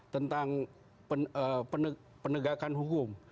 tentang penegakan hukum